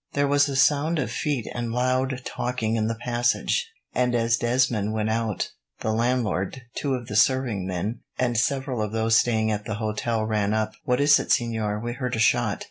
There was a sound of feet and loud talking in the passage, and as Desmond went out, the landlord, two of the serving men, and several of those staying at the hotel ran up. "What is it, senor? We heard a shot."